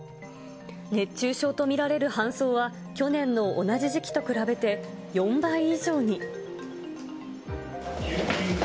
熱中症と見られる搬送は、去年の同じ時期と比べて４倍以上に。